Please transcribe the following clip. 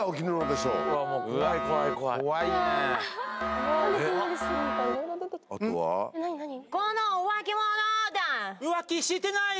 してないよ！